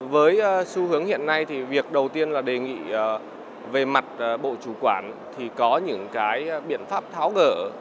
với xu hướng hiện nay thì việc đầu tiên là đề nghị về mặt bộ chủ quản thì có những cái biện pháp tháo gỡ